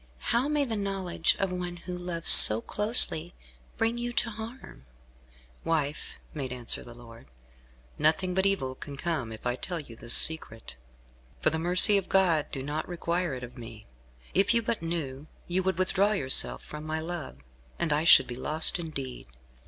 How may the knowledge of one who loves so closely, bring you to harm?" "Wife," made answer the lord, "nothing but evil can come if I tell you this secret. For the mercy of God do not require it of me. If you but knew, you would withdraw yourself from my love, and I should be lost indeed."